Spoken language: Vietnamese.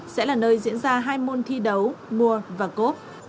sẽ là nơi diễn ra hai môn thi đấu muey và gop